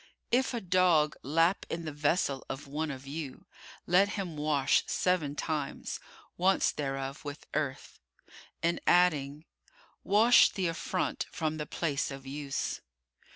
"If a dog lap in the vessel of one of you, let him wash seven times, once thereof with earth," and adding, "Wash the affront from the place of use."